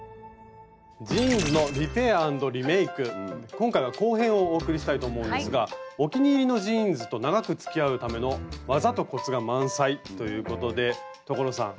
今回は後編をお送りしたいと思うんですがお気に入りのジーンズと長くつきあうための技とコツが満載ということで所さん